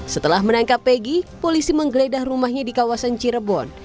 setelah menangkap pegi polisi menggeledah rumahnya di kawasan cirebon